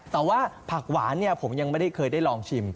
แต่ว่าผักหวานผมยังไม่ได้เคยได้ลองชิม